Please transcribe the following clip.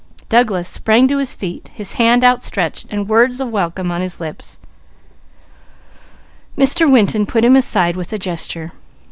Douglas sprang to his feet, his hand outstretched, words of welcome on his lips. Mr. Winton put him aside with a gesture.